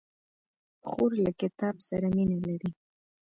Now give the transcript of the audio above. خور له کتاب سره مینه لري.